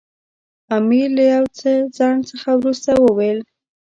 امیر له یو څه ځنډ څخه وروسته وویل.